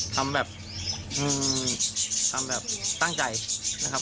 ทำแบบตั้งใจนะครับ